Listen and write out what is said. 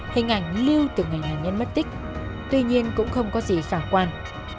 hình ảnh lưu từ ngày nạn nhân mất tích tuy nhiên cũng không có gì khả quan